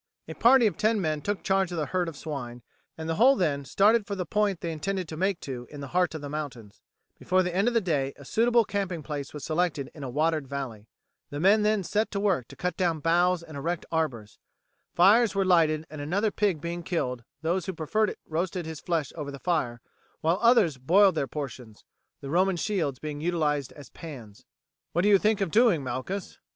A party of ten men took charge of the herd of swine, and the whole then started for the point they intended to make to in the heart of the mountains. Before the end of the day a suitable camping place was selected in a watered valley. The men then set to work to cut down boughs and erect arbours. Fires were lighted and another pig being killed those who preferred it roasted his flesh over the fire, while others boiled their portions, the Roman shields being utilized as pans. "What do you think of doing, Malchus?"